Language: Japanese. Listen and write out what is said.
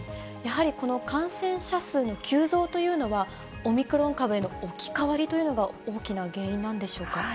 やはり、この感染者数の急増というのは、オミクロン株への置き換わりというのが大きな原因なんでしょうか。